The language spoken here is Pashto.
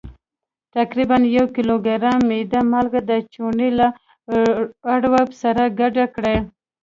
تقریبا یو کیلوګرام میده مالګه د چونې له اړوب سره ګډه کړئ.